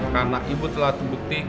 karena ibu telah terbukti